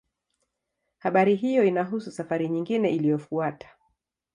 Habari hiyo inahusu safari nyingine iliyofuata.